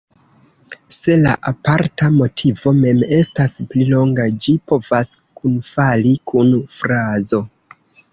Se la aparta motivo mem estas pli longa, ĝi povas kunfali kun frazo.